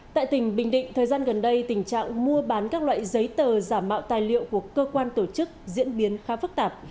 tại tỉnh bình định thời gian gần đây tình trạng mua bán các loại giấy tờ giả mạo tài liệu của cơ quan tổ chức diễn biến khá phức tạp